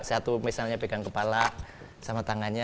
satu misalnya pegang kepala sama tangannya